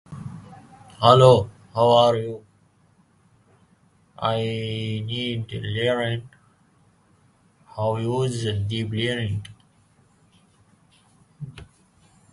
The school expanded its liberal arts programs and graduate-level courses.